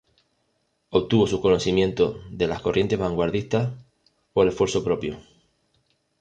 Obtuvo sus conocimientos de las corrientes vanguardistas por esfuerzo propio.